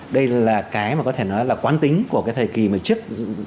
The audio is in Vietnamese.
đây là cái mà có thể nói là quán tính của cái thời kỳ trước